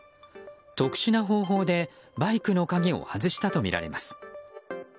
特殊な方法でバイクの鍵を外したとみられます。